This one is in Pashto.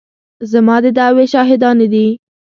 زما د دعوې شاهدانې دي.